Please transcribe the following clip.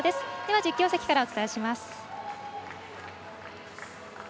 実況席からお伝えします。